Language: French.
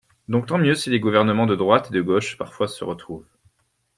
Donc tant mieux si les gouvernements de droite et de gauche parfois se retrouvent.